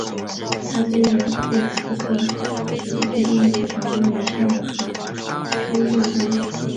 他在伊尔库茨克与弟弟一起成为一名商人和收税官。